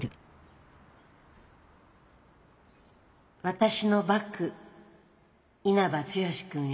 「私のバク稲葉剛くんへ」